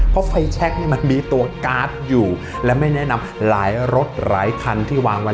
เพราะไฟแชคนี่มันมีตัวการ์ดอยู่และไม่แนะนำหลายรถหลายคันที่วางไว้